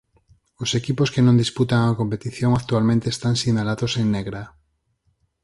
Os equipos que non disputan a competición actualmente están sinalados en negra.